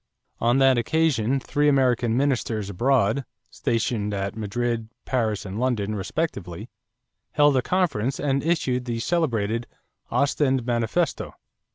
On that occasion three American ministers abroad, stationed at Madrid, Paris, and London respectively, held a conference and issued the celebrated "Ostend Manifesto."